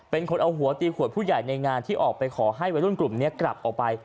เป็นคนเอาหัวตีขวดผู้ใหญ่ในงานที่ออกไปขอให้วัยรุ่นกลุ่มนี้กลับออกไป